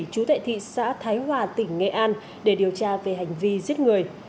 chú tại thị xã thái hòa tỉnh nghệ an để điều tra về hành vi giết người